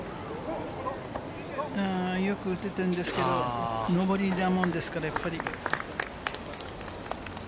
よく打ててるんですけれど、上りなものですから、やっぱり。